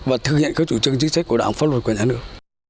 và thực hiện các chủ trương chính sách của đảng pháp luật của nhà nước